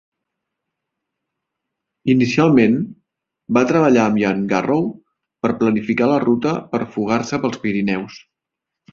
Inicialment va treballar amb Ian Garrow per planificar la ruta per fugar-se pels Pirineus.